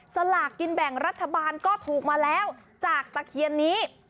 สลากกินแบ่งรัฐบาลก็ถูกมาแล้วจากตะเคียนนี้